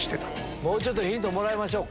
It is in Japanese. もっとヒントもらいましょうか。